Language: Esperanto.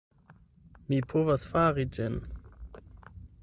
Mi povas fari ĝin.